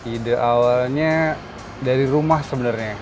ide awalnya dari rumah sebenarnya